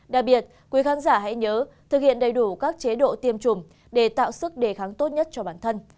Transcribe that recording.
đặc biệt quý khán giả hãy nhớ thực hiện đầy đủ các chế độ tiêm chủng để tạo sức đề kháng tốt nhất cho bản thân